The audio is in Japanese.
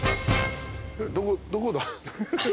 どこだ？